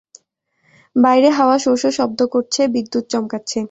বাইরে হাওয়া শো শো শব্দ করছে, বিদ্যুৎ চমকাচ্ছে।